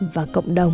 và cộng đồng